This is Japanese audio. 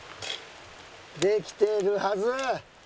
できてるはず。